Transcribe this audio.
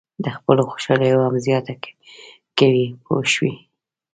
د خپلو خوشالیو هم زیاته کوئ پوه شوې!.